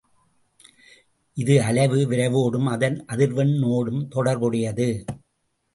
இது அலைவு விரைவோடும் அதன் அதிர்வெண் னோடும் தொடர்புடையது.